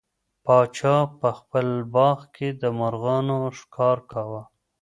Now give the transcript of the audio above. پاچا په خپل باغ کې د مرغانو ښکار کاوه.